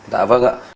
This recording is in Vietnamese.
đã vâng ạ